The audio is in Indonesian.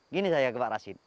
gini saya ke pak rashid